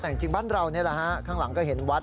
แต่จริงบ้านเรานี่แหละฮะข้างหลังก็เห็นวัด